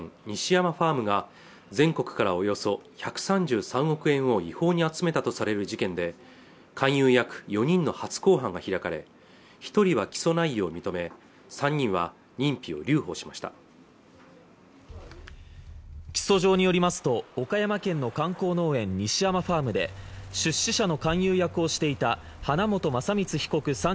西山ファームが全国からおよそ１３３億円を違法に集めたとされる事件で勧誘役４人の初公判が開かれ一人は起訴内容を認め３人は認否を留保しました起訴状によりますと岡山県の観光農園西山ファームで出資者の勧誘役をしていた花本将光被告